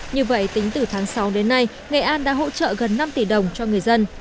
như vậy tính từ tháng sáu đến nay nghệ an đã hỗ trợ gần năm tỷ đồng cho người dân